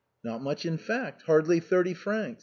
" Not much, in fact — ^hardly thirty francs."